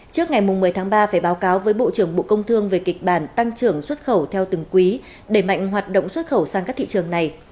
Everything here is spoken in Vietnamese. trước ngày một mươi tháng ba phải báo cáo với bộ trưởng bộ công thương về kịch bản tăng trưởng xuất khẩu theo từng quý để mạnh hoạt động xuất khẩu sang các thị trường này